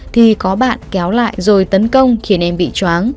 thì có bạn kéo lại rồi tấn công khiến em bị chóng